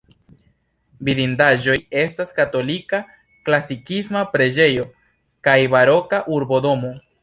Vidindaĵoj estas katolika klasikisma preĝejo kaj baroka urbodomo.